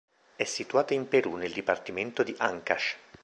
È situata in Perù, nel dipartimento di Ancash.